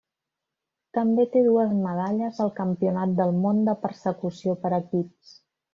També té dues medalles al Campionat del món de Persecució per equips.